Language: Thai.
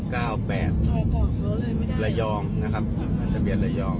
เก้าแปดจอดบอกเขาเลยไม่ได้ระยองนะครับค่ะทะเบียนระยอง